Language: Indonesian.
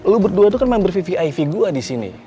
lu berdua tuh kan member vivi gue disini